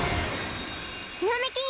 ひらめき！